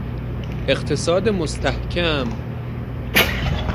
اقتصاد مستحکم